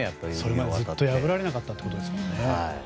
それまでずっと破られなかったってことですからね。